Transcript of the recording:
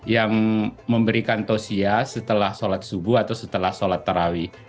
yang memberikan tosia setelah sholat subuh atau setelah sholat tarawih